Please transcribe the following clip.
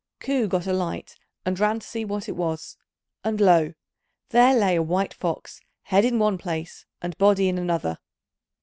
Ku got a light, and ran to see what it was; and lo! there lay a white fox, head in one place and body in another.